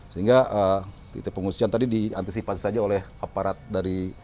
sehingga titik pengungsian tadi diantisipasi saja oleh aparat dari